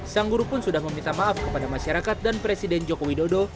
sang guru pun sudah meminta maaf kepada masyarakat dan presiden joko widodo